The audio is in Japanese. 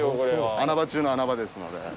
穴場中の穴場ですので。